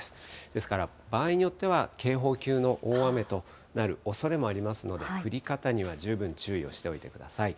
ですから、場合によっては、警報級の大雨となるおそれもありますので、降り方には十分注意をしておいてください。